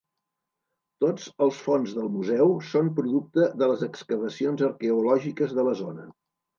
Tots els fons del museu són producte de les excavacions arqueològiques de la zona.